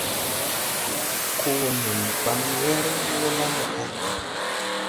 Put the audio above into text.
Koo wo nen baŋ wɛr wɔ la no kay.